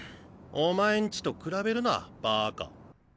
お前ん家と比べるなバーカ。